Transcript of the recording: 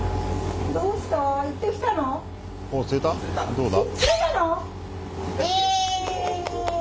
どうだ？